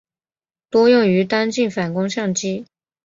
多用于单镜反光相机。